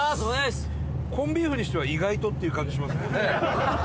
コンビーフにしては意外とっていう感じしますね。